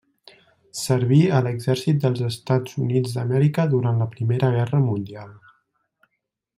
Serví a l'exèrcit dels Estats Units d'Amèrica durant la Primera Guerra Mundial.